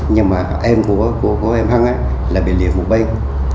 nhưng mà em của em hân là bị liệt một bên